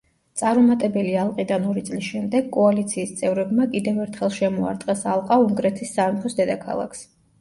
წარუმატებელი ალყიდან ორი წლის შემდეგ, კოალიციის წევრებმა კიდევ ერთხელ შემოარტყეს ალყა უნგრეთის სამეფოს დედაქალაქს.